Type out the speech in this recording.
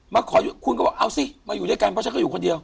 คุณก็บอกเอาสิมาอยู่ด้วยกันเพราะฉันก็อยู่คนเดียว